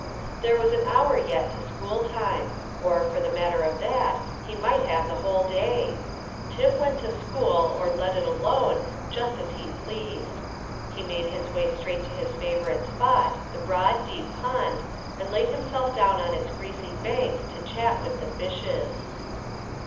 There was an hour yet to school time; or, for the matter of that, he might have the whole day. Tip went to school, or let it alone, just as he pleased. He made his way straight to his favourite spot, the broad, deep pond, and laid himself down on its grassy bank to chat with the fishes.